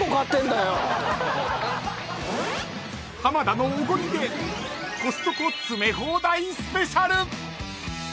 ［浜田のオゴリでコストコ詰め放題スペシャル！］